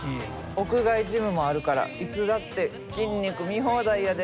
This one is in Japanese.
屋外ジムもあるからいつだって筋肉見放題やで。